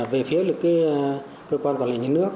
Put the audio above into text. về phía là cái cơ quan quản lệ nước